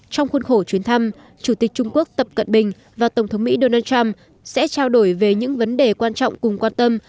trong khuôn khổ chuyến thăm chủ tịch trung quốc tập cận bình và tổng thống mỹ donald trump sẽ trao đổi về những vấn đề quan trọng cùng quan tâm